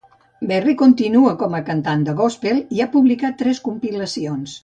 Berry continua com a cantant de gospel, i ha publicat tres compilacions.